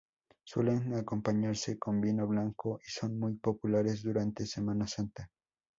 Suelen acompañarse con vino blanco y son muy populares durante Semana Santa.